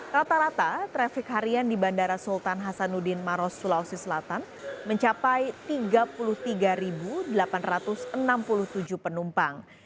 rata rata traffic harian di bandara sultan hasanuddin maros sulawesi selatan mencapai tiga puluh tiga delapan ratus enam puluh tujuh penumpang